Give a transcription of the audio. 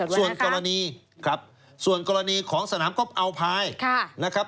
ส่วนกรณีครับส่วนกรณีของสนามก๊อบอัลพายนะครับ